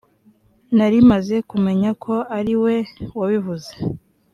nari maze kumenya ko ariwe wabivuze